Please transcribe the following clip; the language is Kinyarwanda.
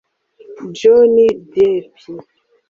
johnny depp